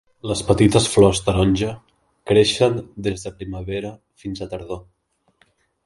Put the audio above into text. Les petites flors taronja creixen des de primavera fins a tardor.